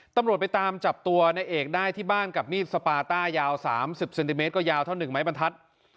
ตำรวจไปตามจับตัวในเอกได้ที่บ้านกับมีดสปาต้ายาว๓๐เซนติเมตรก็ยาวเท่า๑ไม้บรรทัศน์